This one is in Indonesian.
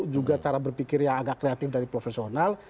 juga cara berpikir yang agak kreatif dari profesional